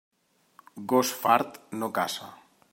Gos fart, no caça.